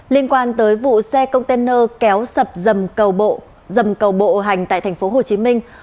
liên quan tới vụ xe container kéo sập dầm cầu bộ hành tại thành phố hồ chí minh